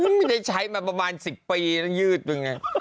แม้ใช้มาประมาณสิบปีแล้วยืดเป็นน่ะ